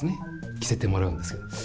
着せてもらうんですよ。